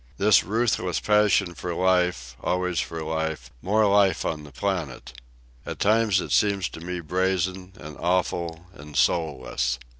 —this ruthless passion for life, always for life, more life on the planet? At times it seems to me brazen, and awful, and soulless.